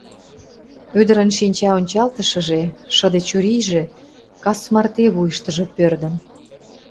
Ӱдырын шинча ончалтышыже, шыде чурийже кас марте вуйыштыжо пӧрдын.